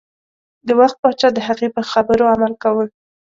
د وخت پاچا د هغې په خبرو عمل کاوه.